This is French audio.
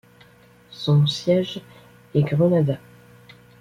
Son siège est Grenada.